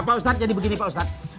pak ustadz jadi begini pak ustadz